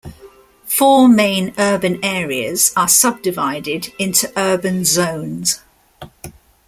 Four main urban areas are subdivided into urban zones.